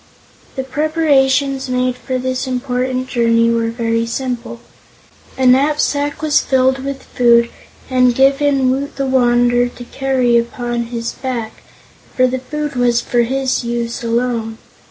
The preparations made for this important journey were very simple. A knapsack was filled with food and given Woot the Wanderer to carry upon his back, for the food was for his use alone.